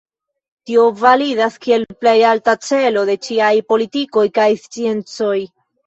Tio validas kiel plej alta celo de ĉiaj politikoj kaj sciencoj.